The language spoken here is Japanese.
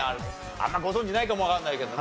あんまご存じないかもわかんないけどね。